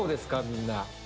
みんな。